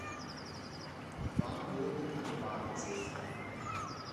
Wann wurden die Nomaden sesshaft?